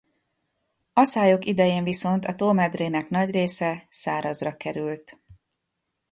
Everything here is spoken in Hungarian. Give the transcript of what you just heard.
Aszályok idején viszont a tó medrének nagy része szárazra került.